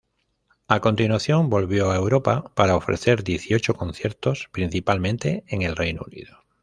A continuación, volvió a Europa para ofrecer dieciocho conciertos, principalmente en el Reino Unido.